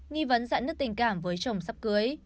nghi vấn dặn nức tình cảm với chồng sắp cưới